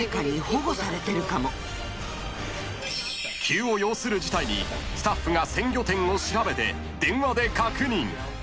Ｙｅｓ．Ｙｅｓ．［急を要する事態にスタッフが鮮魚店を調べて電話で確認］